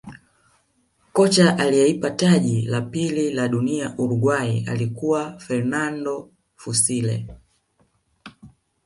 kocha aliyeipa taji la pili la dunia Uruguay alikuwa fernando fussile